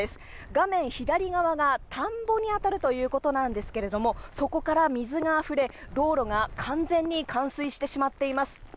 画面左側が田んぼに当たるということですがそこから水があふれ道路が完全に冠水してしまっています。